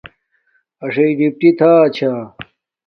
اݵسئ ڈِپٹݵ تھݳ چھݵ.